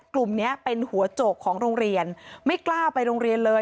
กลุ่มนี้เป็นหัวโจกของโรงเรียนไม่กล้าไปโรงเรียนเลย